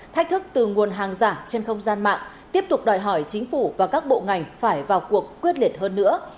thách thức từ nguồn hàng giả trên không gian mạng tiếp tục đòi hỏi chính phủ và các bộ ngành phải vào cuộc quyết liệt hơn nữa